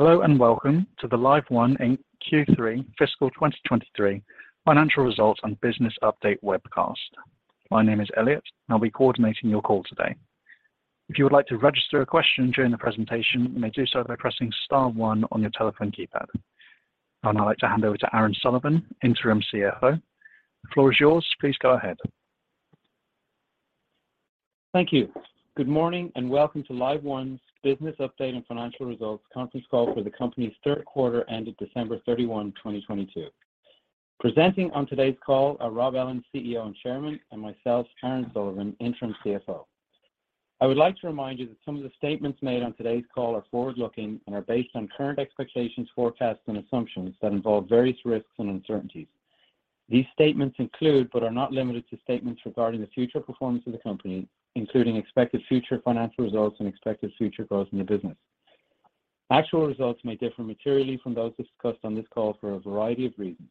Hello and welcome to the LiveOne Inc. Q3 fiscal 2023 financial results and business update webcast. My name is Elliot. I'll be coordinating your call today. If you would like to register a question during the presentation, you may do so by pressing star one on your telephone keypad. Now I'd like to hand over to Aaron Sullivan, Interim CFO. The floor is yours. Please go ahead. Thank you. Good morning and welcome to LiveOne's Business Update and Financial Results conference call for the company's third quarter ended December 31, 2022. Presenting on today's call are Rob Ellin, CEO and Chairman, and myself, Aaron Sullivan, Interim CFO. I would like to remind you that some of the statements made on today's call are forward-looking and are based on current expectations, forecasts, and assumptions that involve various risks and uncertainties. These statements include, but are not limited to, statements regarding the future performance of the company, including expected future financial results and expected future growth in the business. Actual results may differ materially from those discussed on this call for a variety of reasons.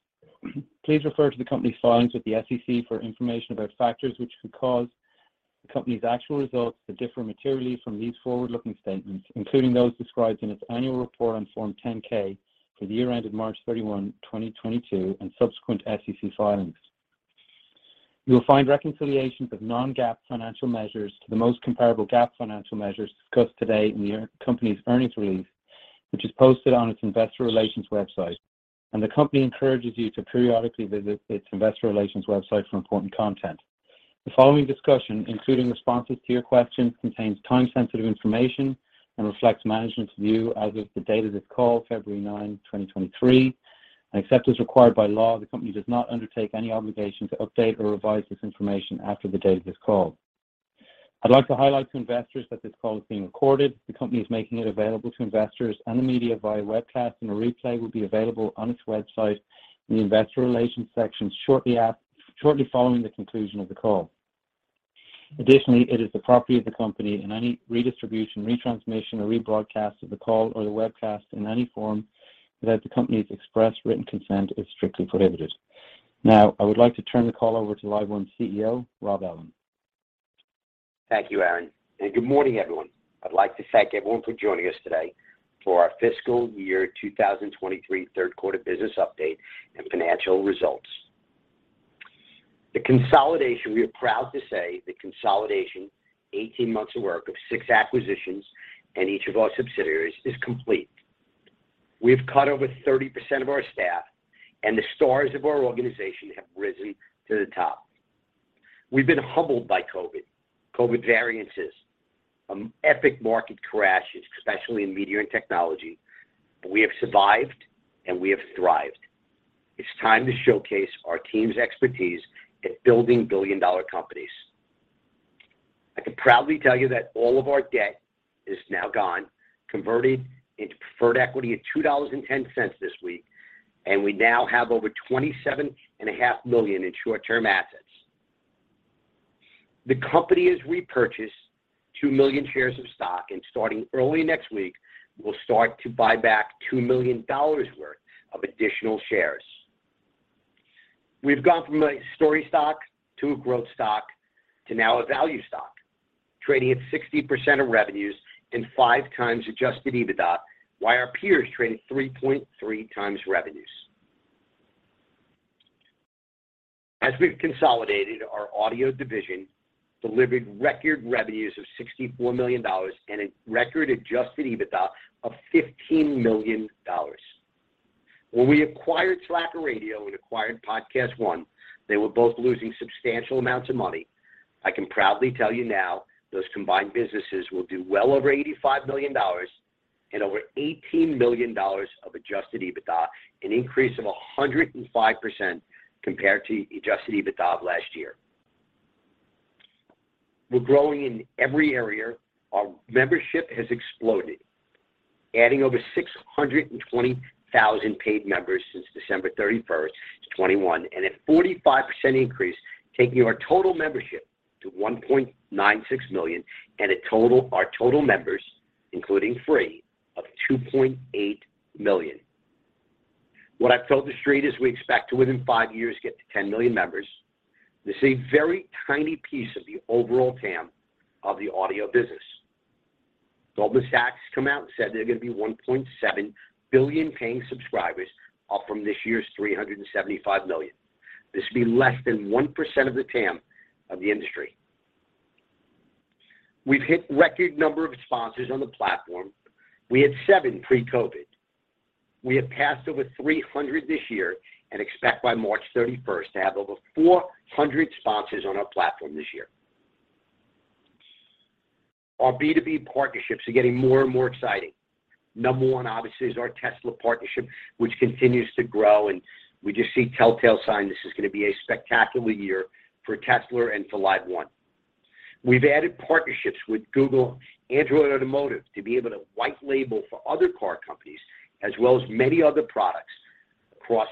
Please refer to the company's filings with the SEC for information about factors which could cause the company's actual results to differ materially from these forward-looking statements, including those described in its annual report on Form 10-K for the year ended March 31, 2022 and subsequent SEC filings. You will find reconciliations of non-GAAP financial measures to the most comparable GAAP financial measures discussed today in the company's earnings release, which is posted on its investor relations website, and the company encourages you to periodically visit its investor relations website for important content. The following discussion, including responses to your questions, contains time-sensitive information and reflects management's view as of the date of this call, February 9, 2023, and except as required by law, the company does not undertake any obligation to update or revise this information after the date of this call. I'd like to highlight to investors that this call is being recorded. The company is making it available to investors and the media via webcast, and a replay will be available on its website in the investor relations section shortly following the conclusion of the call. Additionally, it is the property of the company and any redistribution, retransmission, or rebroadcast of the call or the webcast in any form without the company's express written consent is strictly prohibited. Now, I would like to turn the call over to LiveOne CEO, Rob Ellin. Thank you, Aaron. Good morning, everyone. I'd like to thank everyone for joining us today for our fiscal year 2023 third quarter business update and financial results. The consolidation, we are proud to say, 18 months of work of six acquisitions in each of our subsidiaries is complete. We've cut over 30% of our staff. The stars of our organization have risen to the top. We've been humbled by COVID variances, epic market crashes, especially in media and technology. We have survived, and we have thrived. It's time to showcase our team's expertise at building billion-dollar companies. I can proudly tell you that all of our debt is now gone, converted into preferred equity at $2.10 this week. We now have over $27.5 million in short-term assets. The company has repurchased 2 million shares of stock. Starting early next week, we'll start to buy back $2 million worth of additional shares. We've gone from a story stock to a growth stock to now a value stock, trading at 60% of revenues and 5x adjusted EBITDA, while our peers trade at 3.3x revenues. As we've consolidated, our audio division delivered record revenues of $64 million and a record adjusted EBITDA of $15 million. When we acquired Slacker Radio and acquired PodcastOne, they were both losing substantial amounts of money. I can proudly tell you now those combined businesses will do well over $85 million and over $18 million of adjusted EBITDA, an increase of 105% compared to adjusted EBITDA of last year. We're growing in every area. Our membership has exploded, adding over 620,000 paid members since December 31, 2021, and a 45% increase, taking our total membership to 1.96 million and our total members, including free, of 2.8 million. What I've told The Street is we expect to, within five years, get to 10 million members. This is a very tiny piece of the overall TAM of the audio business. Goldman Sachs come out and said there are gonna be 1.7 billion paying subscribers, up from this year's 375 million. This will be less than 1% of the TAM of the industry. We've hit record number of sponsors on the platform. We had seven pre-COVID. We have passed over 300 this year and expect by March 31st to have over 400 sponsors on our platform this year. Our B2B partnerships are getting more and more exciting. Number one obviously is our Tesla partnership, which continues to grow, and we just see telltale signs this is gonna be a spectacular year for Tesla and for LiveOne. We've added partnerships with Google, Android, Automotive to be able to white label for other car companies, as well as many other products across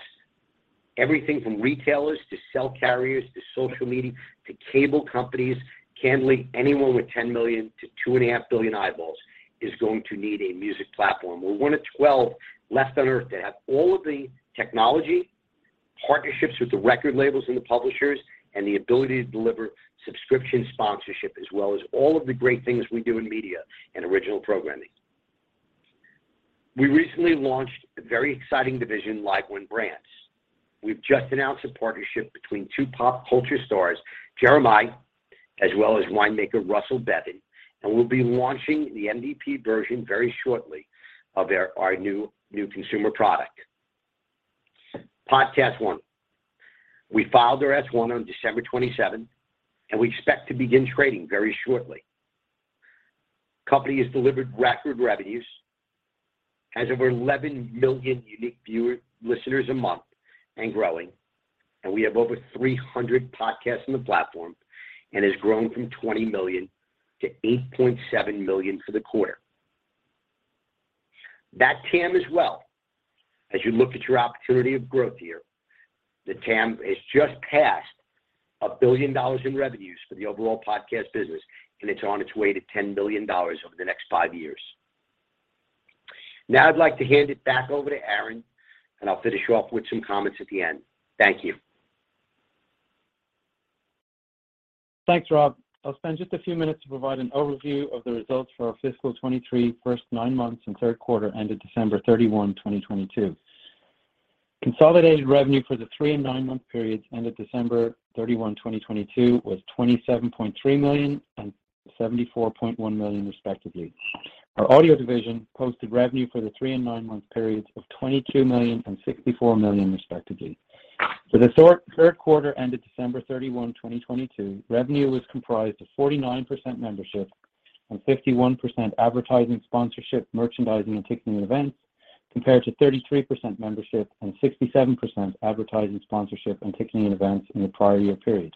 everything from retailers to cell carriers to social media to cable companies. Candidly, anyone with 10 million to 2.5 billion eyeballs is going to need a music platform. We're one of 12 left on Earth to have all of the technology partnerships with the record labels and the publishers, the ability to deliver subscription sponsorship as well as all of the great things we do in media and original programming. We recently launched a very exciting division, LiveOne Brands. We've just announced a partnership between two pop culture stars, Jeremih, as well as winemaker Russell Bevan, We'll be launching the MVP version very shortly of our new consumer product. PodcastOne. We filed our S-1 on December 27th, We expect to begin trading very shortly. Company has delivered record revenues, has over 11 million unique listeners a month growing, we have over 300 podcasts on the platform, has grown from $20 million to $8.7 million for the quarter. That TAM as well, as you look at your opportunity of growth here, the TAM has just passed $1 billion in revenues for the overall podcast business, and it's on its way to $10 billion over the next five years. I'd like to hand it back over to Aaron, and I'll finish off with some comments at the end. Thank you. Thanks, Rob. I'll spend just a few minutes to provide an overview of the results for our fiscal 2023 first nine months and third quarter ended December 31, 2022. Consolidated revenue for the three and nine-month periods ended December 31, 2022, was $27.3 million and $74.1 million respectively. Our audio division posted revenue for the three and nine-month periods of $22 million and $64 million respectively. For the third quarter ended December 31, 2022, revenue was comprised of 49% membership and 51% advertising, sponsorship, merchandising, and ticketing events, compared to 33% membership and 67% advertising, sponsorship, and ticketing and events in the prior year period.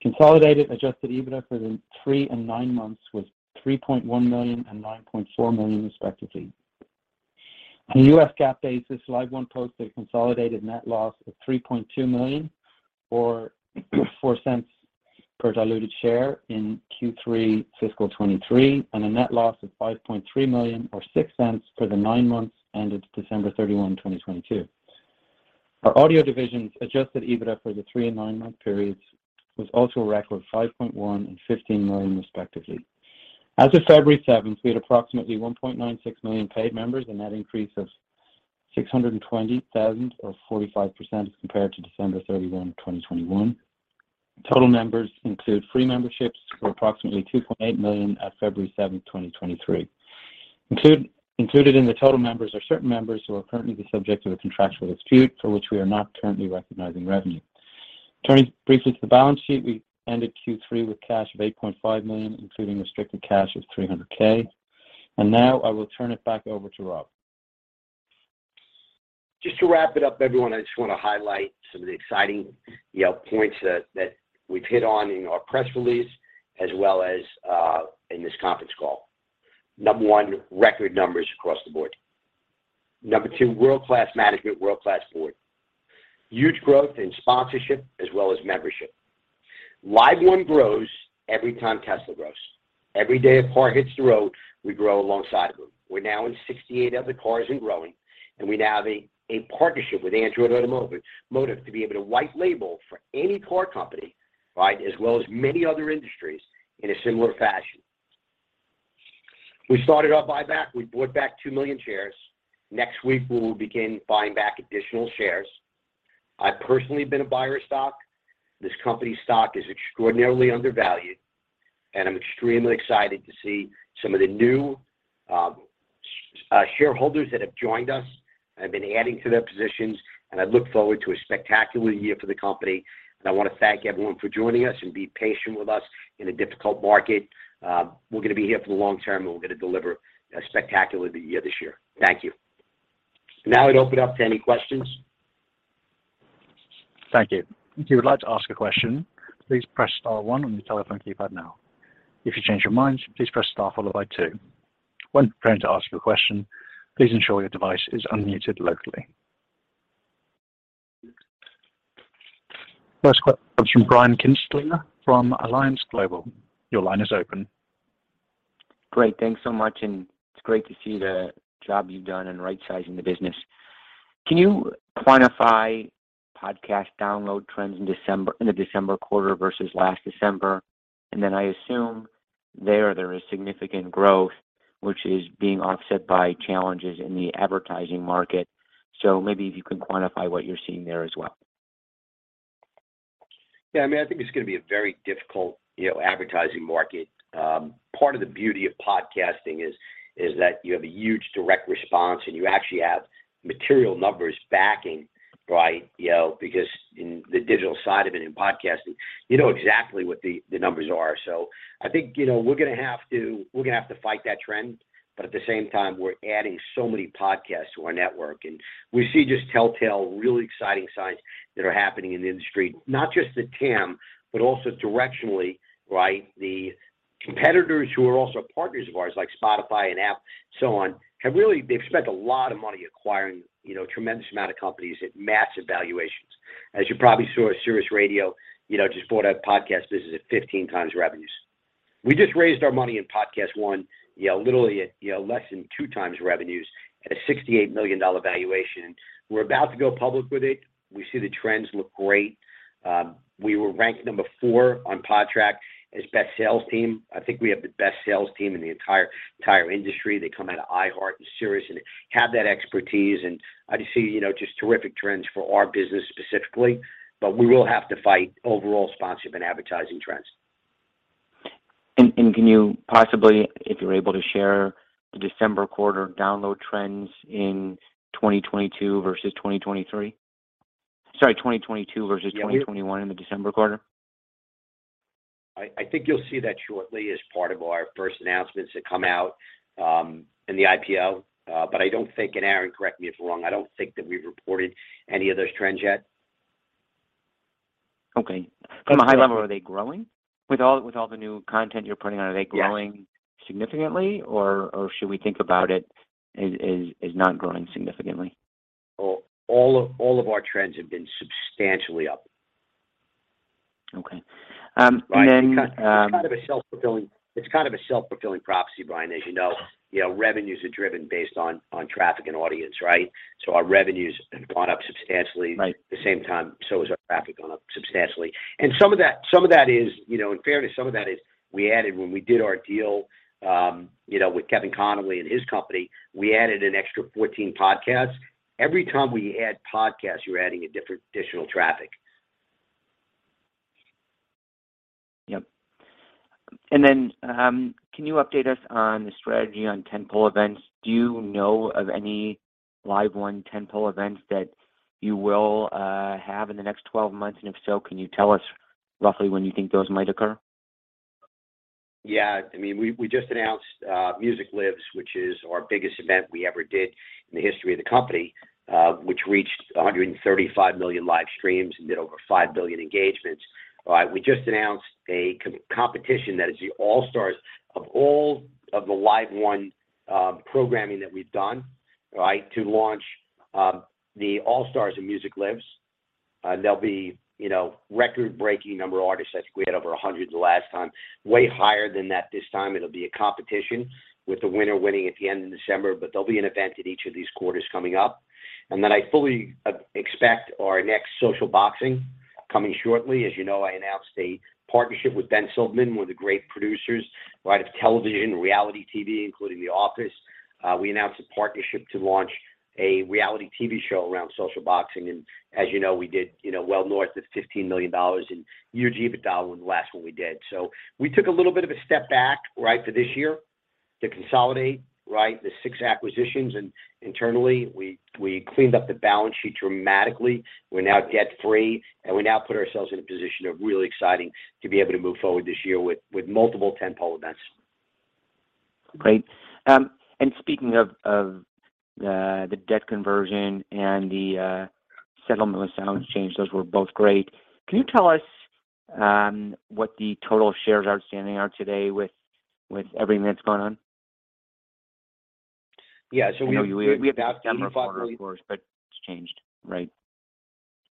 Consolidated adjusted EBITDA for the three and nine months was $3.1 million and $9.4 million respectively. On a U.S. GAAP basis, LiveOne posted a consolidated net loss of $3.2 million, or $0.04 per diluted share in Q3 fiscal 2023, and a net loss of $5.3 million or $0.06 for the nine months ended December 31, 2022. Our audio division's Adjusted EBITDA for the three and nine-month periods was also a record $5.1 million and $15 million respectively. As of February 7, we had approximately 1.96 million paid members, a net increase of 620,000 or 45% compared to December 31, 2021. Total members include free memberships for approximately 2.8 million at February 7, 2023. Included in the total members are certain members who are currently the subject of a contractual dispute for which we are not currently recognizing revenue. Turning briefly to the balance sheet, we ended Q3 with cash of $8.5 million, including restricted cash of $300K. Now I will turn it back over to Rob. Just to wrap it up, everyone, I just want to highlight some of the exciting, you know, points that we've hit on in our press release as well as in this conference call. Number one, record numbers across the board. Number two, world-class management, world-class board. Huge growth in sponsorship as well as membership. LiveOne grows every time Tesla grows. Every day a car hits the road, we grow alongside of them. We're now in 68 other cars and growing, and we now have a partnership with Android Automotive to be able to white label for any car company, right, as well as many other industries in a similar fashion. We started our buyback. We bought back 2 million shares. Next week, we will begin buying back additional shares. I've personally been a buyer of stock. This company's stock is extraordinarily undervalued. I'm extremely excited to see some of the new shareholders that have joined us have been adding to their positions. I look forward to a spectacular year for the company. I want to thank everyone for joining us and be patient with us in a difficult market. We're going to be here for the long term. We're going to deliver a spectacular year this year. Thank you. Now I'd open it up to any questions. Thank you. If you would like to ask a question, please press star one on your telephone keypad now. If you change your mind, please press star followed by two. When preparing to ask your question, please ensure your device is unmuted locally. First question from Brian Kinstlinger from Alliance Global. Your line is open. Great. Thanks so much, and it's great to see the job you've done in rightsizing the business. Can you quantify podcast download trends in December, in the December quarter versus last December? I assume there is significant growth which is being offset by challenges in the advertising market. Maybe if you can quantify what you're seeing there as well. Yeah. I mean, I think it's going to be a very difficult, you know, advertising market. Part of the beauty of podcasting is that you have a huge direct response, and you actually have material numbers backing, right, you know, because in the digital side of it in podcasting, you know exactly what the numbers are. I think, you know, we're gonna have to fight that trend. At the same time, we're adding so many podcasts to our network. We see just telltale, really exciting signs that are happening in the industry, not just the TAM, but also directionally, right? The competitors who are also partners of ours, like Spotify and Apple and so on, they've spent a lot of money acquiring, you know, a tremendous amount of companies at massive valuations. As you probably saw, Sirius Radio, you know, just bought a podcast business at 15x revenues. We just raised our money in PodcastOne, yeah, literally at, you know, less than 2x revenues at a $68 million valuation. We're about to go public with it. We see the trends look great. We were ranked number four on Podtrac as best sales team. I think we have the best sales team in the entire industry. They come out of iHeart and Sirius and have that expertise, I just see, you know, just terrific trends for our business specifically. We will have to fight overall sponsorship and advertising trends. Can you possibly, if you're able to share the December quarter download trends in 2022 versus 2023? Sorry, 2022 versus 2021 in the December quarter. I think you'll see that shortly as part of our first announcements that come out in the IPO. I don't think, and Aaron, correct me if I'm wrong, I don't think that we've reported any of those trends yet. Okay. From a high level, are they growing? With all the new content you're putting on, are they growing significantly or should we think about it as not growing significantly? All of our trends have been substantially up. Okay. then It's kind of a self-fulfilling prophecy, Brian, as you know. You know, revenues are driven based on traffic and audience, right? Our revenues have gone up substantially. Right. At the same time, our traffic gone up substantially. Some of that is, you know, in fairness, some of that is we added when we did our deal, you know, with Kevin Connolly and his company, we added an extra 14 podcasts. Every time we add podcasts, you're adding additional traffic. Yep. Can you update us on the strategy on tentpole events? Do you know of any LiveOne tentpole events that you will have in the next 12 months? If so, can you tell us roughly when you think those might occur? I mean, we just announced Music Lives, which is our biggest event we ever did in the history of the company, which reached 135 million live streams and did over 5 billion engagements, right? We just announced a competition that is the all-stars of all of the LiveOne programming that we've done, right? To launch the all-stars of Music Lives. There'll be, you know, record-breaking number of artists. I think we had over 100 the last time. Way higher than that this time. It'll be a competition with the winner winning at the end in December. There'll be an event at each of these quarters coming up. I fully expect our next social boxing coming shortly. As you know, I announced a partnership with Ben Silverman, one of the great producers, right, of television, reality TV, including The Office. We announced a partnership to launch a reality TV show around social boxing. As you know, we did, you know, well north of $15 million in EBITDA on the last one we did. We took a little bit of a step back, right, for this year to consolidate, right, the six acquisitions. Internally, we cleaned up the balance sheet dramatically. We're now debt-free, and we now put ourselves in a position of really exciting to be able to move forward this year with multiple tentpole events. Great. speaking of the debt conversion and the settlement with SoundExchange, those were both great. Can you tell us what the total shares outstanding are today with everything that's going on? Yeah. I know you had the December quarter, of course, but it's changed, right?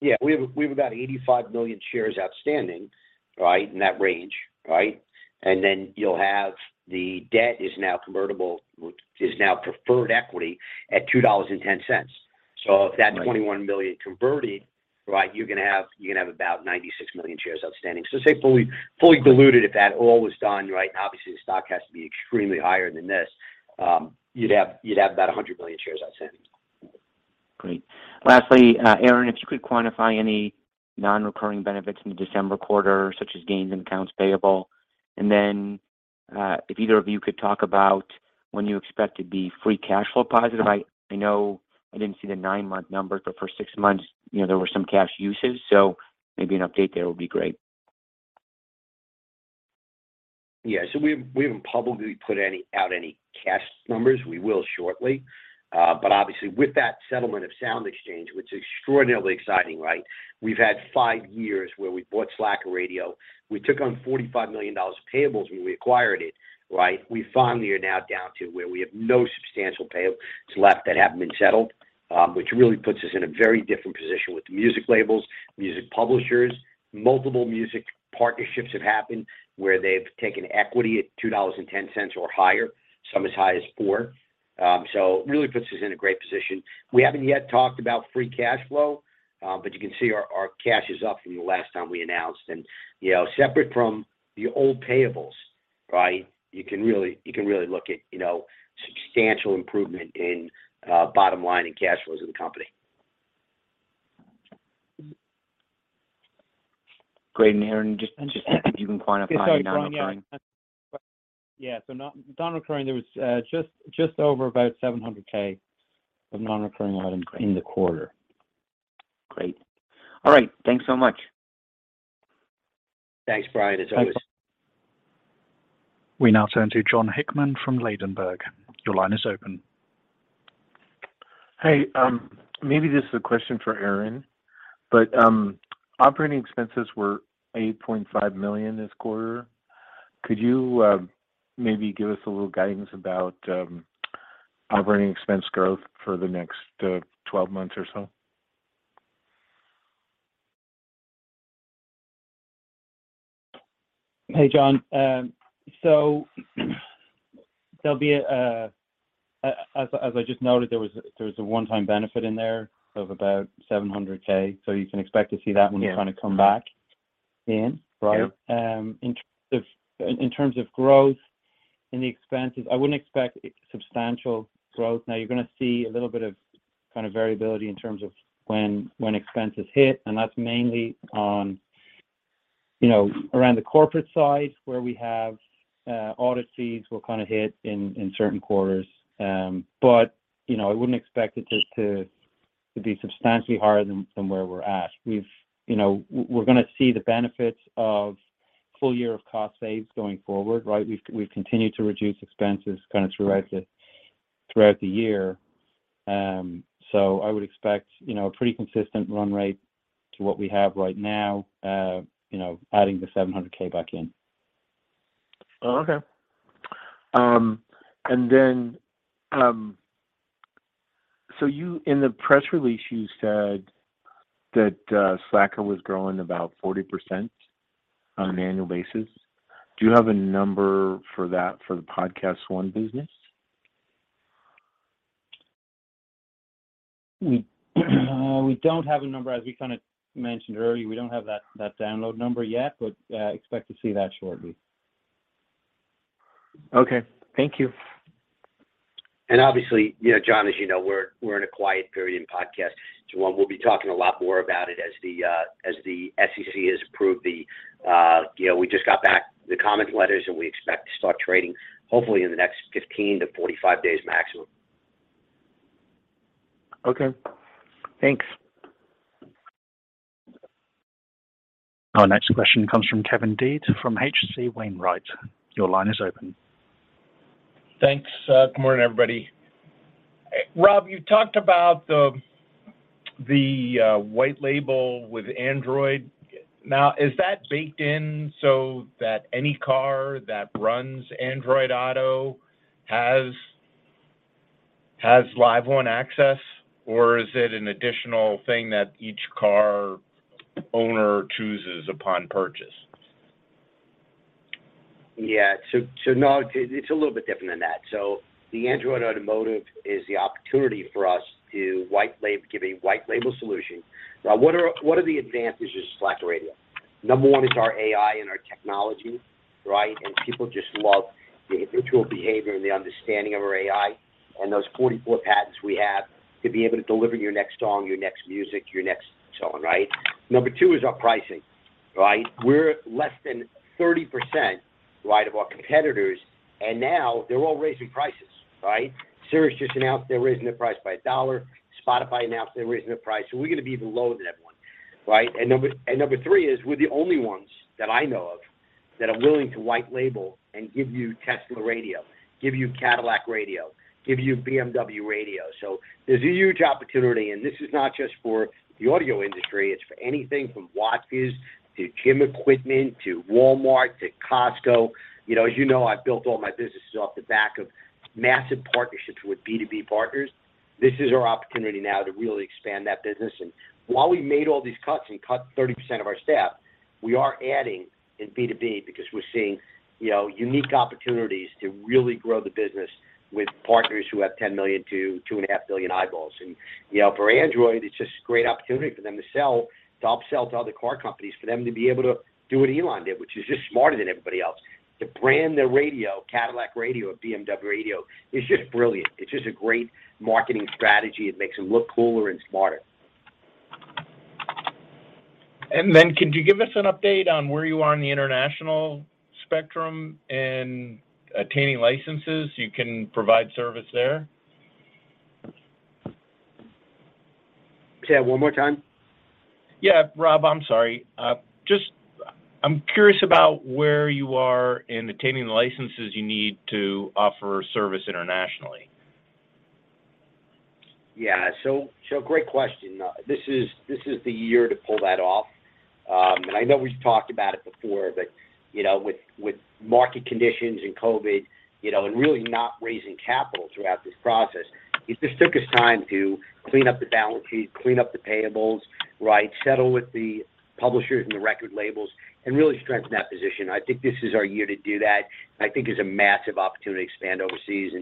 Yeah. We have about 85 million shares outstanding, right? In that range, right? Then you'll have the debt is now convertible, which is now preferred equity at $2.10. If that 21 million converted, right, you're gonna have about 96 million shares outstanding. Say fully diluted if that all was done, right, and obviously the stock has to be extremely higher than this, you'd have about 100 million shares outstanding. Great. Lastly, Aaron, if you could quantify any non-recurring benefits in the December quarter, such as gains in accounts payable. Then, if either of you could talk about when you expect to be free cash flow positive. I know I didn't see the nine-month numbers, but for six months, you know, there were some cash uses, so maybe an update there would be great. Yeah. We haven't publicly put any, out any cash numbers. We will shortly. Obviously with that settlement of SoundExchange, which is extraordinarily exciting, right? We've had five years where we bought Slacker Radio. We took on $45 million of payables when we acquired it, right? We finally are now down to where we have no substantial payables left that haven't been settled, which really puts us in a very different position with the music labels, music publishers. Multiple music partnerships have happened where they've taken equity at $2.10 or higher, some as high as $4. It really puts us in a great position. We haven't yet talked about free cash flow, you can see our cash is up from the last time we announced. You know, separate from the old payables, right? You can really look at, you know, substantial improvement in bottom line and cash flows of the company. Great. Aaron, just if you can quantify your non-recurring. Non-recurring, there was just over about $700K of non-recurring items in the quarter. Great. All right. Thanks so much. Thanks, Brian, as always. Thanks. We now turn to Jon Hickman from Ladenburg. Your line is open. Hey, maybe this is a question for Aaron, but operating expenses were $8.5 million this quarter. Could you maybe give us a little guidance about operating expense growth for the next 12 months or so? Hey, Jon. As I just noted, there was a one-time benefit in there of about $700K. You can expect to see that when you're trying to come back in. Yeah. Right. Yeah. In terms of growth in the expenses, I wouldn't expect substantial growth. You're gonna see a little bit of kind of variability in terms of when expenses hit, and that's mainly on, you know, around the corporate side where we have audit fees will kind of hit in certain quarters. You know, I wouldn't expect it just to be substantially higher than where we're at. You know, we're gonna see the benefits of full year of cost saves going forward, right? We've continued to reduce expenses kind of throughout the year. I would expect, you know, a pretty consistent run rate to what we have right now, you know, adding the $700K back in. Oh, okay. In the press release, you said that, Slacker was growing about 40% on an annual basis. Do you have a number for that for the PodcastOne business? We don't have a number. We kind of mentioned earlier, we don't have that download number yet, but expect to see that shortly. Okay. Thank you. Obviously, you know, Jon, as you know, we're in a quiet period in PodcastOne. We'll be talking a lot more about it as the SEC has approved the, you know, we just got back the comment letters, and we expect to start trading hopefully in the next 15 days-45 days maximum. Okay. Thanks. Our next question comes from Kevin Dede from H.C. Wainwright. Your line is open. Thanks. Good morning, everybody. Rob, you talked about the white label with Android. Is that baked in so that any car that runs Android Auto has LiveOne access, or is it an additional thing that each car owner chooses upon purchase? No, it's a little bit different than that. The Android Automotive is the opportunity for us to give a white label solution. What are the advantages of Slacker Radio? Number one is our AI and our technology, right? People just love the individual behavior and the understanding of our AI and those 44 patents we have to be able to deliver your next song, your next music, your next so on, right? Number two is our pricing, right? We're less than 30%, right, of our competitors, now they're all raising prices, right? Sirius just announced they're raising their price by $1. Spotify announced they're raising their price. We're gonna be even lower than everyone, right? Number three is we're the only ones that I know of that are willing to white label and give you Tesla Radio, give you Cadillac Radio, give you BMW Radio. There's a huge opportunity, and this is not just for the audio industry. It's for anything from Watches to gym equipment to Walmart to Costco. You know, as you know, I've built all my businesses off the back of massive partnerships with B2B partners. This is our opportunity now to really expand that business. While we made all these cuts and cut 30% of our staff, we are adding in B2B because we're seeing, you know, unique opportunities to really grow the business with partners who have 10 million to 2.5 billion eyeballs. You know, for Android, it's just a great opportunity for them to sell, to upsell to other car companies, for them to be able to do what Elon did, which is just smarter than everybody else. To brand their radio Cadillac Radio or BMW Radio is just brilliant. It's just a great marketing strategy. It makes them look cooler and smarter. Could you give us an update on where you are in the international spectrum in attaining licenses you can provide service there? Say that one more time. Yeah. Rob, I'm sorry. just I'm curious about where you are in obtaining the licenses you need to offer service internationally? Great question. This is the year to pull that off. I know we've talked about it before, but, you know, with market conditions and COVID, you know, and really not raising capital throughout this process, it just took us time to clean up the balance sheet, clean up the payables, right, settle with the publishers and the record labels, and really strengthen that position. I think this is our year to do that, and I think it's a massive opportunity to expand overseas.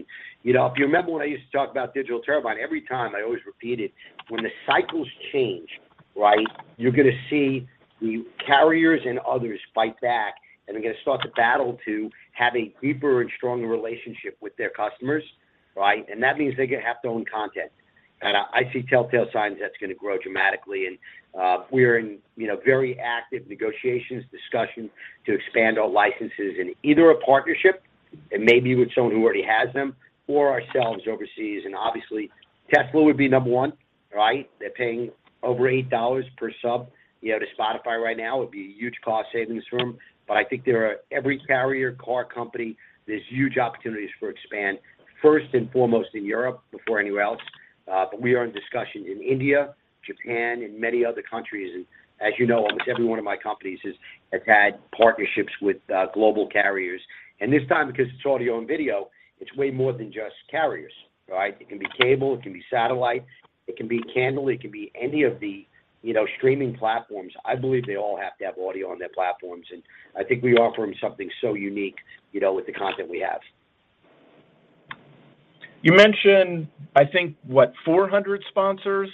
You know, if you remember when I used to talk about Digital Turbine, every time I always repeated, when the cycles change, right, you're gonna see the carriers and others fight back, and they're gonna start to battle to have a deeper and stronger relationship with their customers, right? That means they're gonna have to own content. I see telltale signs that's gonna grow dramatically. We're in, you know, very active negotiations, discussion to expand our licenses in either a partnership, and maybe with someone who already has them, or ourselves overseas. Obviously, Tesla would be number one, right? They're paying over $8 per sub, you know, to Spotify right now. It would be a huge cost savings for them. I think there are every carrier, car company, there's huge opportunities for expand, first and foremost in Europe before anywhere else. We are in discussion in India, Japan, and many other countries. As you know, almost every one of my companies has had partnerships with global carriers. This time, because it's audio and video, it's way more than just carriers, right? It can be cable, it can be satellite. It can be Candle, it can be any of the, you know, streaming platforms. I believe they all have to have audio on their platforms, and I think we offer them something so unique, you know, with the content we have. You mentioned, I think, what, 400 sponsors?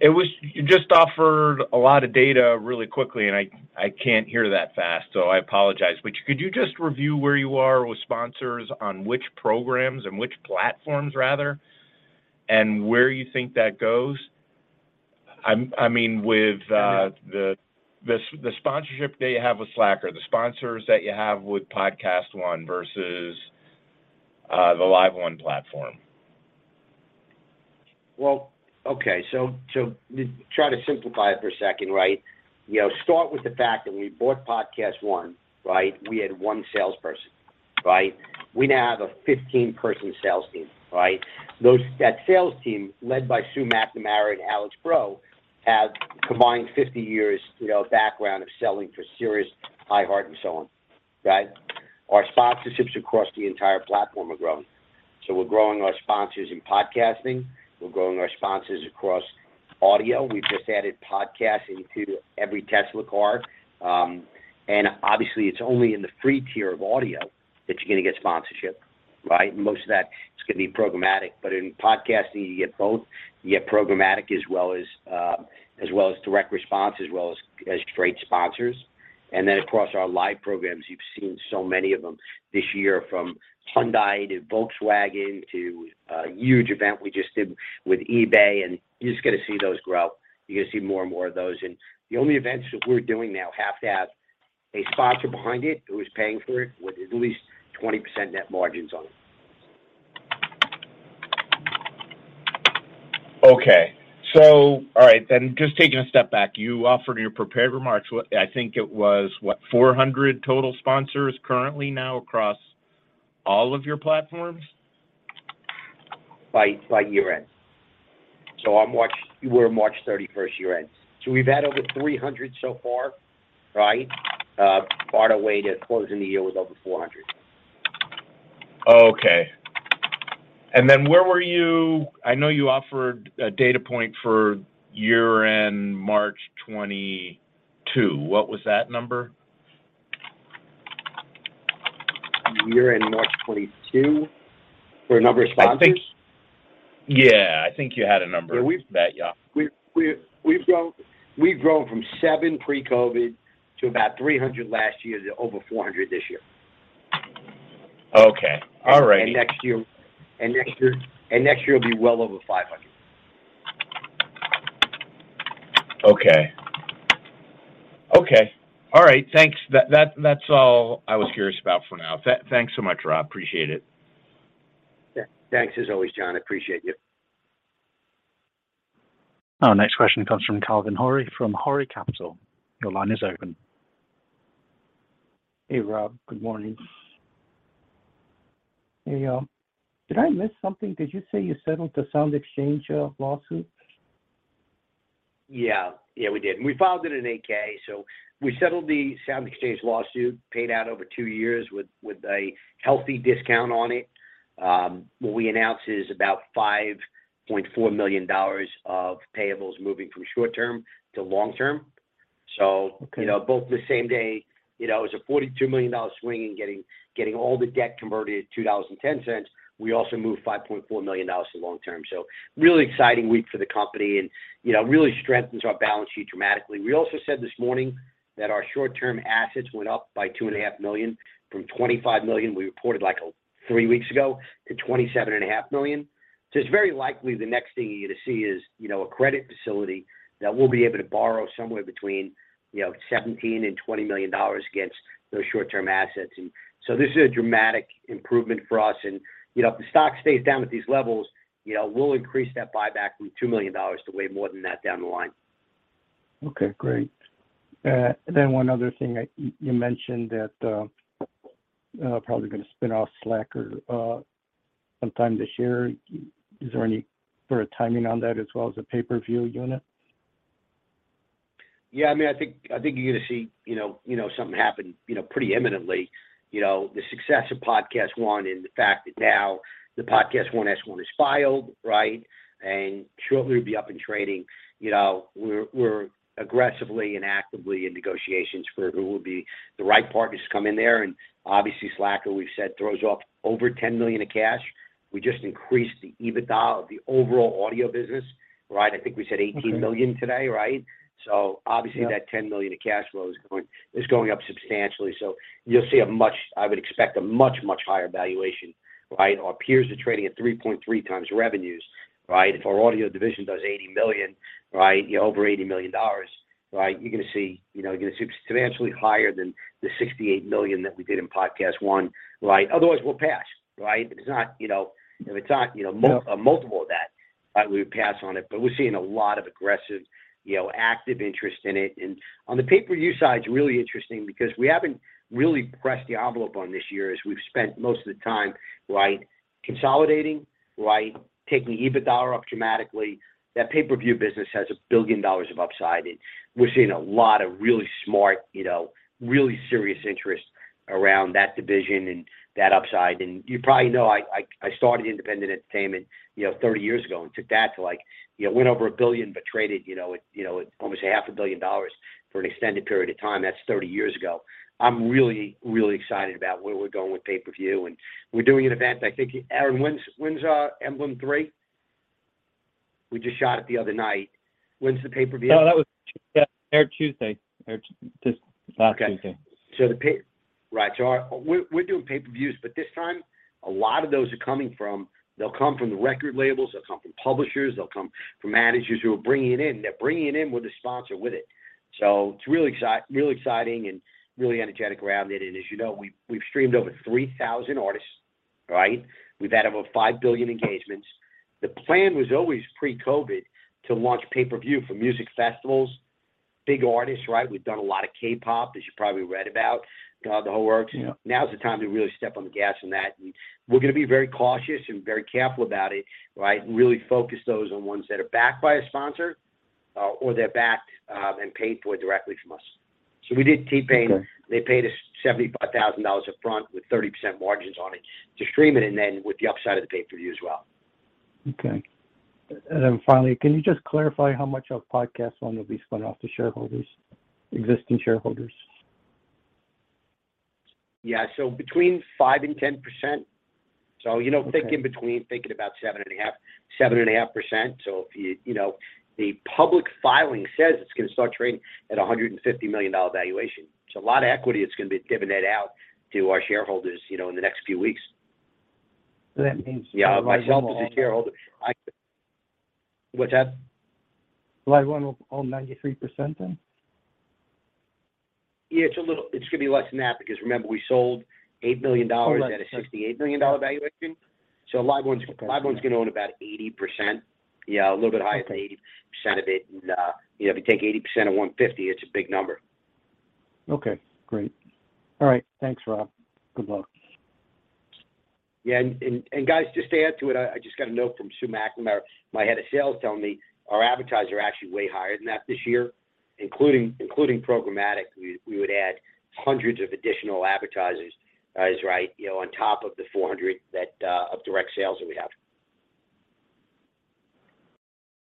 You just offered a lot of data really quickly, and I can't hear that fast, so I apologize. Could you just review where you are with sponsors on which programs and which platforms, rather, and where you think that goes? I mean, with, the sponsorship that you have with Slacker, the sponsors that you have with PodcastOne versus, the LiveOne platform. Okay. To try to simplify it for a second, right? You know, start with the fact that we bought PodcastOne, right? We had one salesperson, right? We now have a 15-person sales team, right? That sales team, led by Sue McNamara and Alex Brough, have combined 50 years, you know, background of selling for Sirius, iHeartMedia, and so on, right? Our sponsorships across the entire platform have grown. We're growing our sponsors in podcasting, we're growing our sponsors across audio. We've just added podcasting to every Tesla car. Obviously it's only in the free tier of audio that you're gonna get sponsorship, right? Most of that is gonna be programmatic. In podcasting, you get both. You get programmatic as well as direct response, as well as great sponsors. Across our live programs, you've seen so many of them this year, from Hyundai to Volkswagen to a huge event we just did with eBay, and you're just gonna see those grow. You're gonna see more and more of those. The only events that we're doing now have to have a sponsor behind it who is paying for it with at least 20% net margins on it. Okay. All right, just taking a step back, you offered your prepared remarks. I think it was, what, 400 total sponsors currently now across all of your platforms? By year-end. On March, your March 31st year-end. We've had over 300 so far, right? On our way to closing the year with over 400. Okay. I know you offered a data point for year-end March 2022. What was that number? Year-end March 2022? For the number of sponsors? I think Yeah, I think you had a number that. We've grown from seven pre-COVID to about 300 last year to over 400 this year. Okay. All right. Next year will be well over 500. Okay. Okay. All right. Thanks. That's all I was curious about for now. Thanks so much, Rob. Appreciate it. Yeah. Thanks as always, John. I appreciate you. Our next question comes from Calvin Hori from Hori Capital. Your line is open. Hey, Rob. Good morning. Hey, y'all. Did I miss something? Did you say you settled the SoundExchange lawsuit? Yeah. Yeah, we did. We filed it in 8-K. We settled the SoundExchange lawsuit, paid out over two years with a healthy discount on it. What we announced is about $5.4 million of payables moving from short term to long term. Okay. You know, both the same day, you know, it was a $42 million swing in getting all the debt converted at $2.10. We also moved $5.4 million to long term. Really exciting week for the company and, you know, really strengthens our balance sheet dramatically. We also said this morning that our short-term assets went up by $2.5 million from $25 million, we reported like, three weeks ago, to $27.5 million. It's very likely the next thing you're gonna see is, you know, a credit facility that we'll be able to borrow somewhere between, you know, $17 million-$20 million against those short-term assets. This is a dramatic improvement for us. You know, if the stock stays down at these levels, you know, we'll increase that buyback from $2 million to way more than that down the line. Okay, great. One other thing. You mentioned that, probably gonna spin off Slacker, sometime this year. Is there any sort of timing on that as well as the pay-per-view unit? Yeah. I mean, I think you're gonna see, you know, something happen, you know, pretty imminently. You know, the success of PodcastOne and the fact that now the PodcastOne S-1 is filed, right? Shortly it'll be up and trading. You know, we're aggressively and actively in negotiations for who will be the right partners to come in there. Obviously Slacker, we've said, throws off over $10 million of cash. We just increased the EBITDA of the overall audio business, right? I think we said $18 million today, right? Okay. Obviously that $10 million of cash flow is going up substantially. You'll see a much, I would expect, a much higher valuation, right? Our peers are trading at 3.3x revenues, right? If our audio division does $80 million, right, you know, over $80 million, right, you're gonna see, you know, substantially higher than the $68 million that we did in PodcastOne, right? Otherwise, we'll pass, right? If it's not, you know, a multiple of that, right, we would pass on it. We're seeing a lot of aggressive, you know, active interest in it. On the pay-per-view side, it's really interesting because we haven't really pressed the envelope on this year as we've spent most of the time, right, consolidating, right, taking the EBITDA up dramatically. That pay-per-view business has $1 billion of upside, and we're seeing a lot of really smart, you know, really serious interest around that division and that upside. You probably know, I started Independent Entertainment, you know, 30 years ago and took that to like, you know, went over $1 billion, but traded, you know, at, you know, at almost $0.5 billion For an extended period of time. That's 30 years ago. I'm really, really excited about where we're going with pay-per-view. We're doing an event, I think Aaron wins our Emblem3. We just shot it the other night. When's the pay-per-view? Oh, that was yeah, air Tuesday. T-Tuesday. Okay. Right. We're doing pay-per-views, but this time a lot of those are coming from, they'll come from the record labels, they'll come from publishers, they'll come from managers who are bringing it in. They're bringing it in with a sponsor with it. It's really exciting and really energetic around it. As you know, we've streamed over 3,000 artists, right? We've had over 5 billion engagements. The plan was always pre-COVID to launch pay-per-view for music festivals, big artists, right? We've done a lot of K-pop, as you probably read about, the whole works. Yeah. Now's the time to really step on the gas on that. We're gonna be very cautious and very careful about it, right? Really focus those on ones that are backed by a sponsor, or they're backed and paid for directly from us. We did T-Pain. Okay. They paid us $75,000 up front with 30% margins on it to stream it, and then with the upside of the pay-per-view as well. Okay. Then finally, can you just clarify how much of PodcastOne will be spun off to shareholders, existing shareholders? Yeah. between 5% and 10%. you know. Okay... think in between, thinking about 7.5%, 7.5%. If you know, the public filing says it's going to start trading at a $150 million valuation. A lot of equity is going to be divvying that out to our shareholders, you know, in the next few weeks. That means. Yeah, myself as a shareholder, What's that? LiveOne will own 93% then? Yeah, it's gonna be less than that because remember we sold $8 million. Less than $60 million.... at a $68 million valuation. LiveOne's- Okay. LiveOne's gonna own about 80%. Yeah, a little bit higher than 80% of it. you know, if you take 80% of 150, it's a big number. Okay, great. All right. Thanks, Rob. Good luck. Yeah. Guys, just to add to it, I just got a note from Sue McNamara, my Head of Sales, telling me our advertisers are actually way higher than that this year, including programmatic. We would add hundreds of additional advertisers, guys, right, you know, on top of the 400 that of direct sales that we have.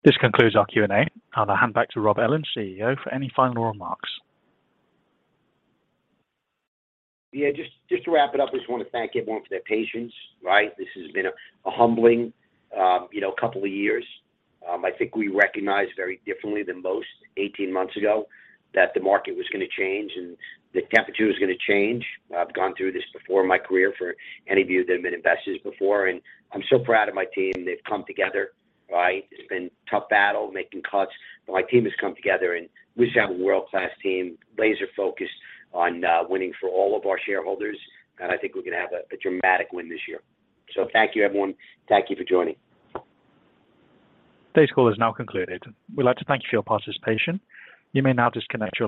This concludes our Q&A. I'll hand back to Rob Ellin, CEO, for any final remarks. Just to wrap it up, I just wanna thank everyone for their patience, right? This has been a humbling, you know, couple of years. I think we recognized very differently than most 18 months ago that the market was gonna change and the temperature was gonna change. I've gone through this before in my career for any of you that have been investors before, and I'm so proud of my team. They've come together, right? It's been tough battle making cuts, but my team has come together, and we just have a world-class team, laser-focused on winning for all of our shareholders, and I think we're gonna have a dramatic win this year. Thank you, everyone. Thank you for joining. Today's call has now concluded. We'd like to thank you for your participation. You may now disconnect your line.